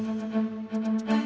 dek aku mau ke sana